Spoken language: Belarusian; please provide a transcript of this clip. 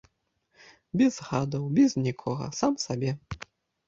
Без гадаў, без нікога, сам сабе.